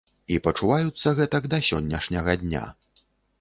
І пачуваюцца гэтак да сённяшняга дня.